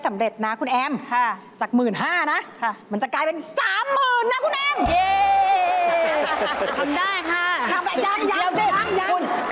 ทำได้ค่ะยัง